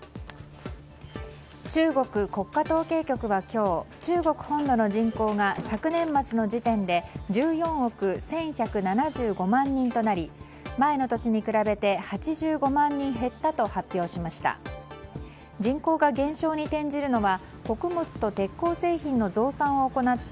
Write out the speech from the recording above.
中国国家統計局は今日中国本土の人口が昨年末の時点で１４億１１７５万人となり前の年に比べて８５万人減ったと発表しました。